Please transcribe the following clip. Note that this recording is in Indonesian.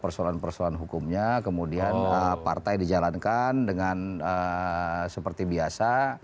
persoalan persoalan hukumnya kemudian partai dijalankan dengan seperti biasa